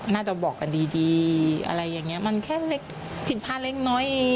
น่าจะบอกกันดีดีอะไรอย่างนี้มันแค่เล็กผิดพลาดเล็กน้อย